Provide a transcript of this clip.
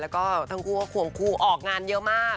แล้วก็ทั้งคู่ก็ควงคู่ออกงานเยอะมาก